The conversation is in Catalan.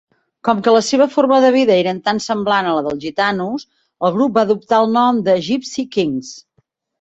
Com que la seva forma de vida eren tan semblant a la dels gitanos, el grup va adoptar el nom de Gipsy Kings.